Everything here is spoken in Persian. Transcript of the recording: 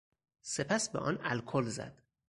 سپس به آن الکل زد.